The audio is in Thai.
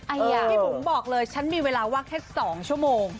พี่บุ๋มบอกเลยฉันมีเวลาว่างแค่๒ชั่วโมง